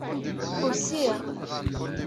Usiɣ.